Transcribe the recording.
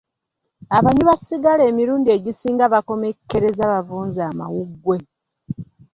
Abanywi ba sigala emirundi egisinga bakomekkereza bavunze amawuggwe.